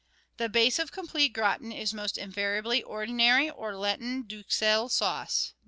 The base of complete gratin is almost invariably ordinary or Lenten duxelle sauce (No.